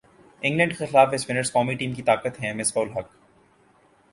England کیخلاف spinners قومی team کی طاقت ہیں مصباح الحق